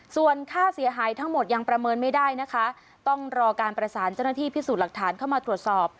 ส่วนค่าเสียหายทั้งหมดยังประเมินไม่ได้นะคะต้องรอการประสานเจ้าหน้าที่พิสูจน์หลักฐานเข้ามาตรวจสอบ